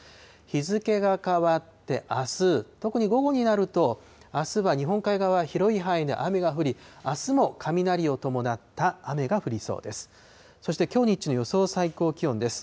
日付が変わってあす、特に午後になると、あすは日本海側、広い範囲で雨が降り、あすも雷を伴った雨が降りそうです。